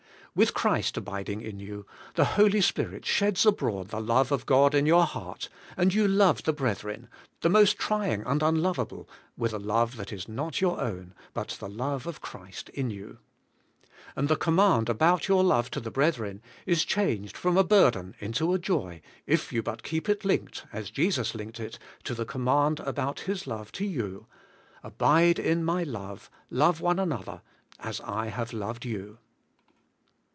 With Christ abiding in you, the Holy Spirit sheds abroad the love of God in your heart, and you love the brethren, the most trying and unlovable, with a love that is not your own, but the love of Christ in you. And the com mand about your love to the brethren is changed from a burden into a joy, if you but keep it linked, as Je AND IN LOVE TO THE BRETHREN 197 siis linked it, to the command about His love to you : 'Abide in my love; love one another, as I have loved you.'